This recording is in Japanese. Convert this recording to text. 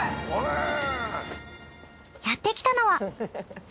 やってきたのは。